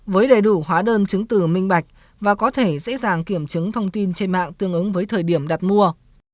với đầy đủ hóa đơn chứng từ minh bạch và có thể dễ dàng kiểm chứng thông tin trên mạng tương ứng với thời điểm đặt mua